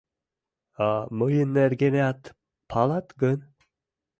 А мыйын нергенат палат гын?